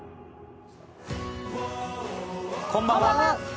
こんばんは！